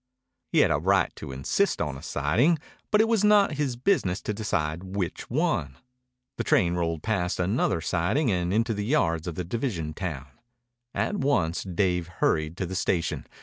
He had a right to insist on a siding, but it was not his business to decide which one. The train rolled past another siding and into the yards of the division town. At once Dave hurried to the station.